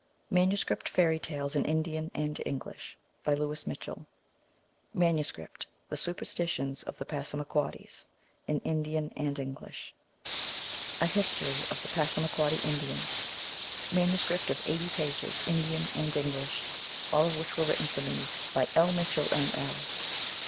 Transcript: Manuscript Fairy Tales in Indian and English. By Louis Mitchell. Manuscript : The Superstitions of the Passamaquoddies. In Indian and English. A History of the Passamaquoddy Indians. Manuscript of 80 pages, Indian and English. All of these were written for me by L. Mitchell, M. L.